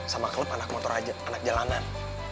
sama klub anak motor aja anak jalanan